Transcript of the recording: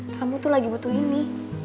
kamu tuh lagi butuh ini